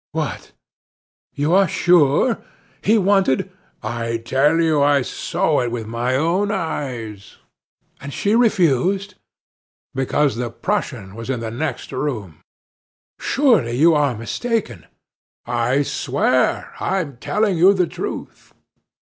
"What! you are sure? He wanted " "I tell you I saw it with my own eyes." "And she refused?" "Because the Prussian was in the next room!" "Surely you are mistaken?" "I swear I'm telling you the truth."